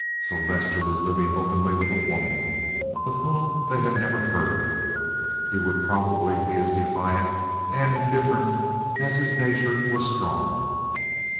So Lester was living openly with a woman of whom they had never heard. He would probably be as defiant and indifferent as his nature was strong.